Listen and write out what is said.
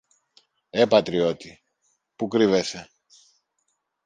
Ε, πατριώτη! πού κρύβεσαι;